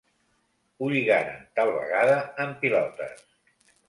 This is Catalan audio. Ho lligaren, tal vegada en pilotes.